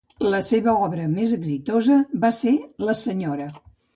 La seva obra més exitosa va ser la Sra.